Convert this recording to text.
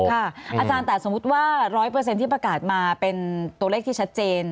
อาจารย์แต่สมมุติว่า๑๐๐ที่ประกาศมาเป็นตัวเลขที่ชัดเจน